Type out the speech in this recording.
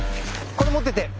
これ持ってて。